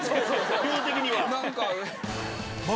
量的には。